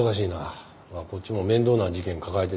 こっちも面倒な事件抱えててね。